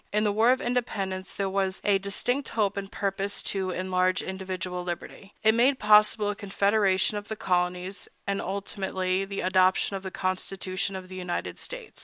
In the War of Independence there was a distinct hope and purpose to enlarge individual liberty. It made possible a confederation of the colonies, and, ultimately, the adoption of the Constitution of the United States.